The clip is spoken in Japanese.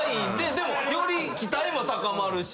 でもより期待も高まるし。